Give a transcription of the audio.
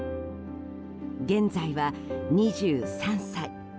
現在は２３歳。